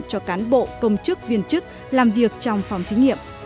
cho cán bộ công chức viên chức làm việc trong phòng thí nghiệm